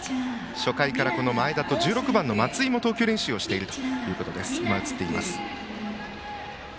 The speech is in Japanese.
初回から前田と、１６番の松井も投球練習をしています。